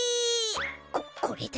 ここれだ。